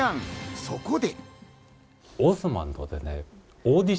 そこで。